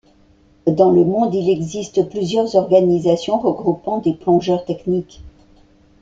Dans le monde, il existe plusieurs organisations regroupant des plongeurs techniques.